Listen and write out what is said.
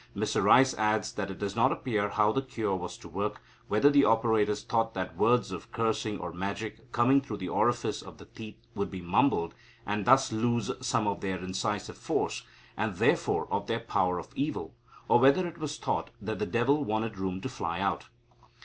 Mr Rice adds that it does not appear how the cure was to work whether the operators thought that words of cursing or magic, coming through the orifice of the teeth, would be mumbled, and thus lose some of their incisive force, and therefore of their power for evil, or whether it was thought that the devil wanted room to fly out.